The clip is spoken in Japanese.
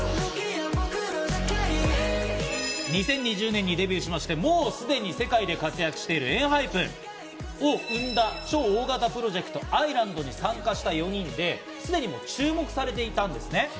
２０２０年にデビューしまして、もうすでに世界で活躍してるＥＮＨＹＰＥＮを生んだ超大型プロジェクト『ＩーＬＡＮＤ』に参加した４人で、すでに注目されていたんですね。